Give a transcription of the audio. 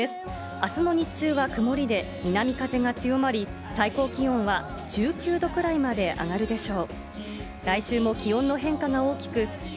明日の日中は曇りで南風が強まり、最高気温は１９度くらいまで上がるでしょう。